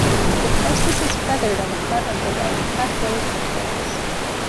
The tarsus is feathered on the front of the leg half-way to the toes.